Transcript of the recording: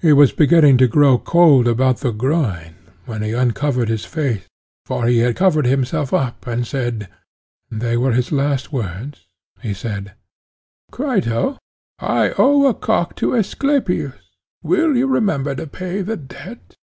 He was beginning to grow cold about the groin, when he uncovered his face, for he had covered himself up, and said—they were his last words—he said: Crito, I owe a cock to Asclepius; will you remember to pay the debt?